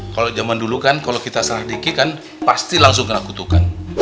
kalo jaman dulu kan kalo kita salah dikit kan pasti langsung kena kutukan